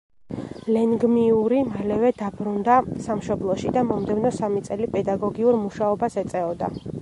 ლენგმიური მალევე დაბრუნდა სამშობლოში და მომდევნო სამი წელი პედაგოგიურ მუშაობას ეწეოდა.